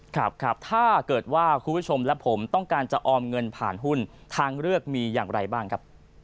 ครับครับถ้าเกิดว่าคุณผู้ชมและผมต้องการจะออมเงินผ่านหุ้นทางเลือกมีอย่างไรบ้างครับ